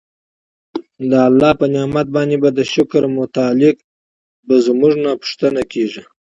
د الله په نعمت باندي د شکر متعلق به زمونږ نه تپوس کيږي